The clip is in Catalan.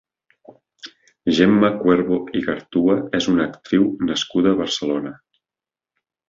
Gemma Cuervo Igartua és una actriu nascuda a Barcelona.